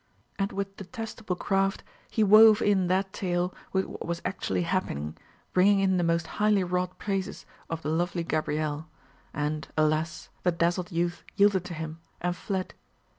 And with detestable craft he wove in that tale with what was actually happening, bringing in the most highly wrought praises of the lovely Gabrielle; and alas! the dazzled youth yielded to him, and fled!